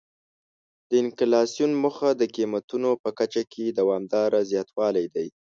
د انفلاسیون موخه د قیمتونو په کچه کې دوامداره زیاتوالی دی.